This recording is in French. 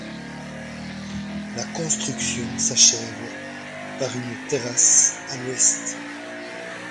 La construction s'achève par une terrasse à l'ouest.